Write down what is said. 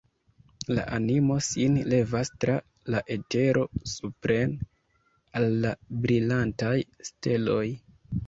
La animo sin levas tra la etero supren, al la brilantaj steloj!